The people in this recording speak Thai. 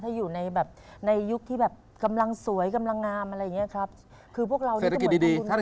ถ้าอยู่ในยุคที่แบบกำลังสวยกำลังงามอะไรอย่างนี้ครับ